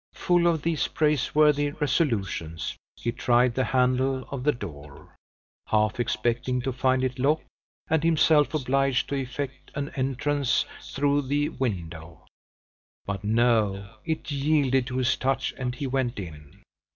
Full of these praiseworthy resolutions, he tried the handle of the door, half expecting to find it locked, and himself obliged to effect an entrance through the window; but no, it yielded to his touch, and he went in.